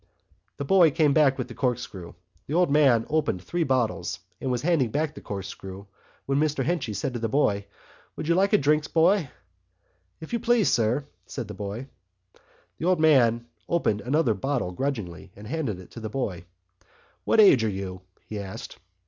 The boy came back with the corkscrew. The old man opened three bottles and was handing back the corkscrew when Mr Henchy said to the boy: "Would you like a drink, boy?" "If you please, sir," said the boy. The old man opened another bottle grudgingly, and handed it to the boy. "What age are you?" he asked.